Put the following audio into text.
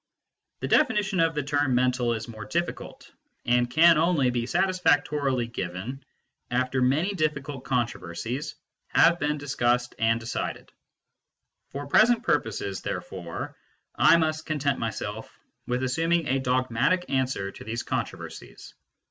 The definition of the term " mental " is more difficult, and can only be satisfactorily given after many difficult controversies have been discussed and decided. For present purposes therefore I must content myself with assuming a dogmatic answer to these controversies.